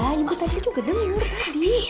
ah ibu tadi juga denger tadi